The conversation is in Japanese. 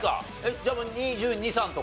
じゃあもう２２２３とか？